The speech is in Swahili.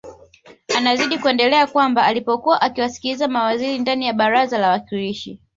Anazidi kuendelea kwamba alipokuwa akiwasikiliza mawaziri ndani ya baraza la wawakilishi